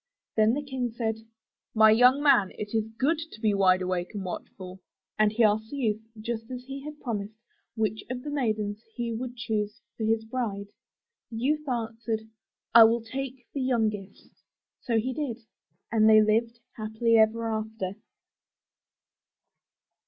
Then the King said, "My young man it is good to be wide awake and watchful," and he asked the youth, just as he had promised, which of the maidens he would choose for his bride. The youth answered, '1 will take the youngest." So he did, and they lived happily ever after.